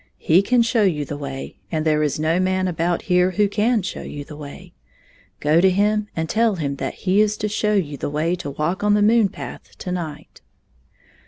He can show you the way, and there is no man about here who can show you the way. Go to him and tell him that he is to show you the way to walk on the moon path to night."